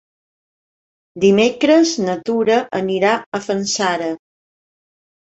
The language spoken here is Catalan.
Dimecres na Tura anirà a Fanzara.